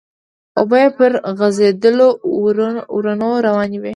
اوبه يې پر غزيدلو ورنو روانې وې.